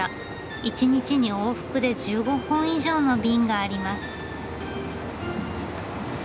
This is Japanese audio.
一日に往復で１５本以上の便があります。